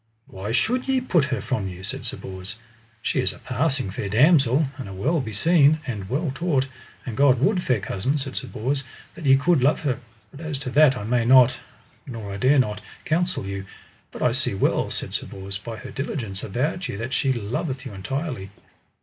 Why should ye put her from you? said Sir Bors, she is a passing fair damosel, and a well beseen, and well taught; and God would, fair cousin, said Sir Bors, that ye could love her, but as to that I may not, nor I dare not, counsel you. But I see well, said Sir Bors, by her diligence about you that she loveth you entirely.